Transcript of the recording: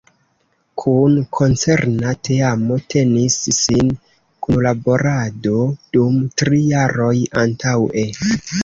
Kun koncerna teamo tenis sin kunlaborado dum tri jaroj antaŭe.